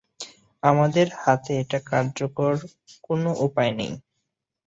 আমাদের হাতে এটা কার্যকর কোনও উপায় নেই!